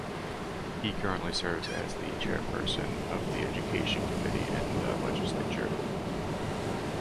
He currently serves as the chairperson of the education committee in the legislature.